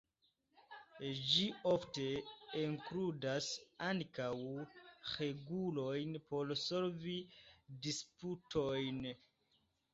Ĝi ofte inkludas ankaŭ regulojn por solvi disputojn.